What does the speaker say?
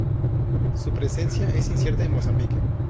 Su presencia es incierta en Mozambique.